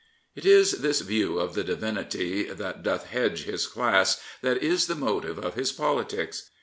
It is this view of the divinity that doth hedge his class that is the motive of his politics.